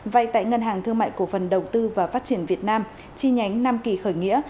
vay tại ngân hàng thương mại cổ phần đầu tư và phát triển việt nam chi nhánh nam kỳ khởi nghĩa